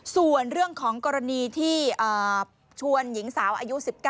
ส่วนเรื่องของกรณีที่ชวนหญิงสาวอายุ๑๙